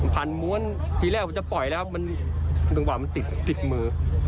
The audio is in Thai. พันม้วนทีแรกจะปล่อยแล้วตั้งประมาณมันติดมือ